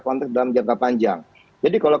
konteks dalam jangka panjang jadi kalau